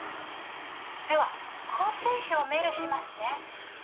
「では行程表をメールしますね」